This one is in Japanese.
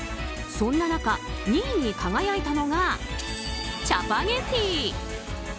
そんな中、２位に輝いたのがチャパゲティ。